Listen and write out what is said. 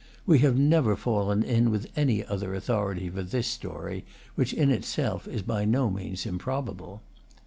We have never fallen in with any other authority for this story, which in itself is by no means improbable.